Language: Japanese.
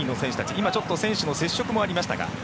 今ちょっと選手の接触もありましたが。